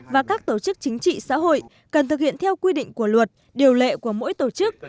và các tổ chức chính trị xã hội cần thực hiện theo quy định của luật điều lệ của mỗi tổ chức